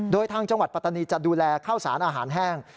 โดยทางจังหวัดปัตตานีจะดูแลข้าวสารอาหารแห้ง